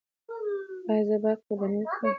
ایا زه باید قرباني وکړم؟